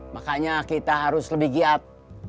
makanya kita harus lebih giat